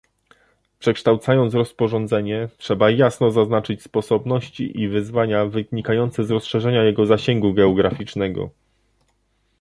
Przekształcając rozporządzenie, trzeba jasno zaznaczyć sposobności i wyzwania wynikające z rozszerzenia jego zasięgu geograficznego